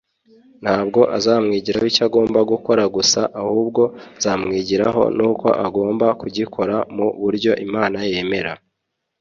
ntabwo azamwigiraho icyo agomba gukora gusa ahubwo azamwigiraho n’uko agomba kugikora mu buryo imana yemera.